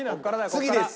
次です。